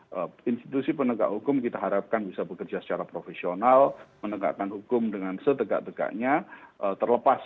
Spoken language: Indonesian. jadi institusi penegak hukum kita harapkan bisa bekerja secara profesional menegakkan hukum dengan setegak tegaknya